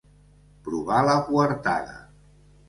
Provar la coartada.